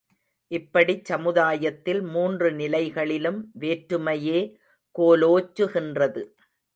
இப்படிச் சமுதாயத்தில் மூன்று நிலைகளிலும் வேற்றுமையே கோலோச்சுகின்றது!